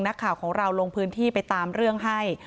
นักข่าวของเราลงพื้นที่ไปตามเรื่องให้